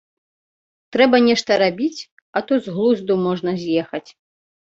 Трэба нешта рабіць, а то з глузду можна з'ехаць.